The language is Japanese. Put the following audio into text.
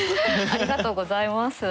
ありがとうございます。